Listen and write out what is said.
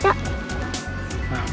kayaknya mana tuh